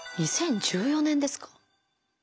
２０１４年ですか。